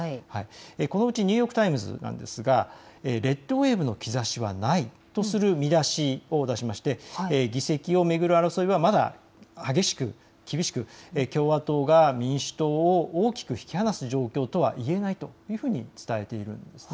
このうちニューヨーク・タイムズですがレッド・ウェーブの兆しはないとする見出しを出して議席を巡る争いはまだ激しく、厳しく共和党が民主党を大きく引き離す状況とはいえないというふうに伝えているんです。